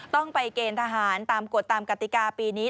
ต้องไปเกณฑ์ทหารตามกฎตามกติกาปีนี้